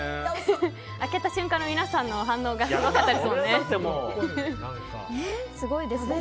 開けた瞬間の皆さんの反応がすごかったですね。